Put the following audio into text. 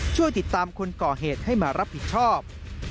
ช่วยติดตามคนก่อเหตุให้มารับผิดชอบ